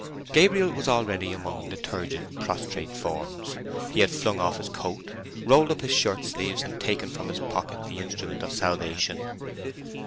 Gabriel was already among the turgid, prostrate forms. He had flung off his coat, rolled up his shirt sleeves, and taken from his pocket the instrument of salvation.